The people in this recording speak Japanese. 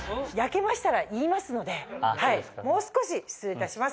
もう少し失礼いたします。